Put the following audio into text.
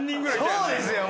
そうですよ！